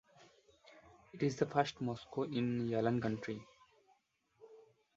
It is the first mosque in Yilan County.